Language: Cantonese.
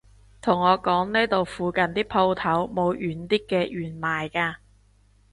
同我講呢度附近啲舖頭冇軟啲嘅弦賣㗎